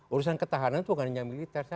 urusan ketahanan itu bukan hanya militer